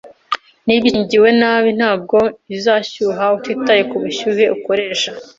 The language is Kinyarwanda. Niba ikingiwe nabi, ntabwo izashyuha utitaye ku bushyuhe ukoresha